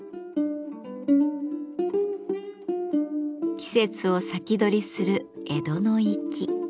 季節を先取りする江戸の粋。